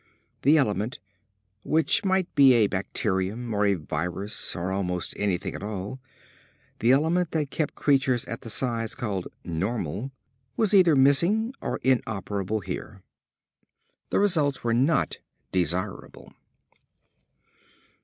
The element which might be a bacterium or a virus or almost anything at all the element that kept creatures at the size called "normal" was either missing or inoperable here. The results were not desirable.